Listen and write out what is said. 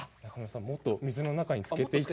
もっと水の中につけて。